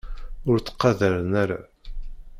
Ur ttqadaren ara.